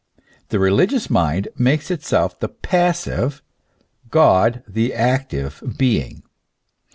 The religious mind makes itself the passive, God the active being.